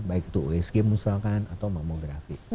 baik itu usg misalkan atau mamografi